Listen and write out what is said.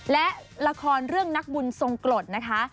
และละครเรื่องนักบุญทรงกรดนะคะ